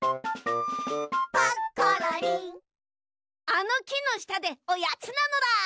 あのきのしたでおやつなのだ！